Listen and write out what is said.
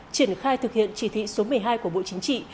triển khai thực hiện chỉ thị số một mươi hai của bộ chính trị